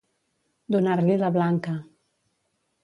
Donar-li la blanca.